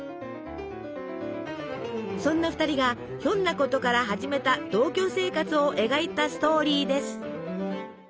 そんな２人がひょんなことから始めた同居生活を描いたストーリーです。